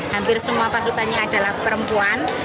hampir semua pasukannya adalah perempuan